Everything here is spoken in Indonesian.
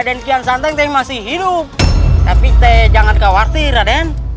raden kian satang masih hidup tapi jangan khawatir aden